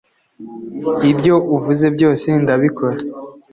ibyo uvuze byose ndabikora